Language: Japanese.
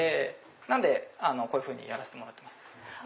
なのでこういうふうにやらせてもらってます。